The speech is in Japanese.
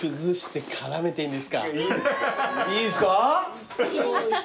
いいんすか？